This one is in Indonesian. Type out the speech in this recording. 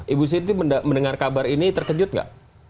ibu siti mendengar kabar ini terkejut nggak